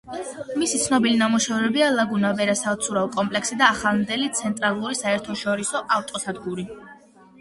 მისი ცნობილი ნამუშევრებია „ლაგუნა ვერას“ საცურაო კომპლექსი და ახლანდელი „ცენტრალური საერთაშორისო ავტოსადგური“.